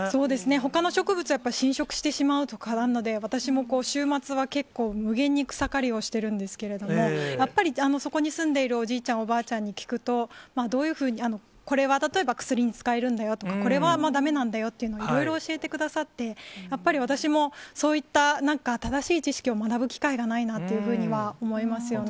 ほかの植物をやっぱり侵食してしまうとかあるので、私も週末は結構、無限に草刈りをしてるんですけれども、やっぱりそこに住んでいる、おじいちゃん、おばあちゃんに聞くと、どういうふうに、これは例えば薬に使えるんだよとか、これはだめなんだよっていうのを、いろいろ教えてくださって、やっぱり私もそういった、なんか正しい知識を学ぶ機会がないなというふうには思いますね。